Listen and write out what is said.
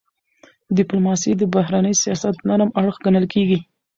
ډيپلوماسي د بهرني سیاست نرم اړخ ګڼل کېږي.